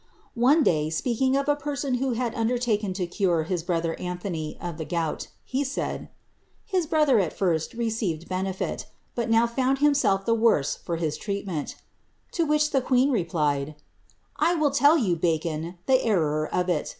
One day, speaking of a peraon who had undertaken to cure his brother Anthony of the gout, he said, ^his brother at firet received benefit, but now found himself the woree for his treatment," to which the queen replied, ^ I will tell you. Bacon, the error of it.